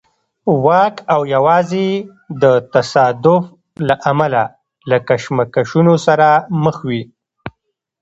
واک او یوازې د تصادف له امله له کشمکشونو سره مخ وي.